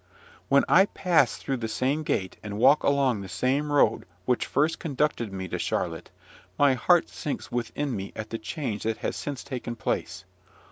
When I pass through the same gate, and walk along the same road which first conducted me to Charlotte, my heart sinks within me at the change that has since taken place.